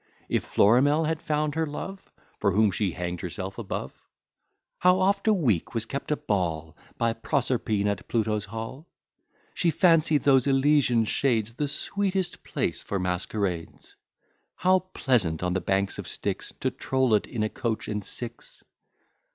If Florimel had found her love, For whom she hang'd herself above? How oft a week was kept a ball By Proserpine at Pluto's hall? She fancied those Elysian shades The sweetest place for masquerades; How pleasant on the banks of Styx, To troll it in a coach and six!